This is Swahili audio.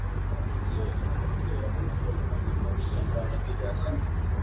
hiyo inatokana nakufikiana maridhiano ya kisiasa